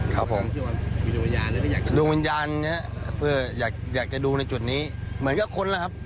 ครับผมดวงวิญญาณอยากจะดูในจุดนี้เหมือนกับคนนะครับ